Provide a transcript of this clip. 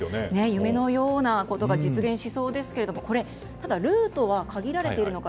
夢のようなことが実現しそうですけどもただ、ルートは限られているのか。